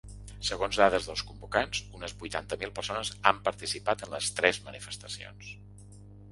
Segons dades dels convocants, unes vuitanta mil persones han participat en les tres manifestacions.